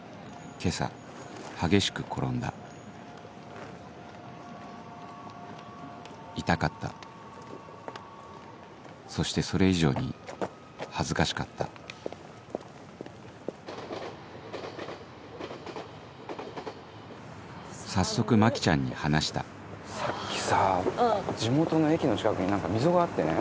今朝激しく転んだ痛かったそしてそれ以上に恥ずかしかった早速マキちゃんに話したさっきさぁ地元の駅の近くに何か溝があってね。